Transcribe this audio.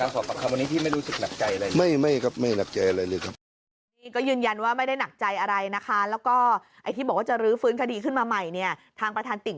จากการขอบคำว่านี้ที่ไม่รู้สึกหนักใจอะไร